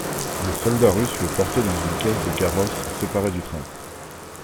Des soldats russes le portaient dans une caisse de carrosse séparée du train.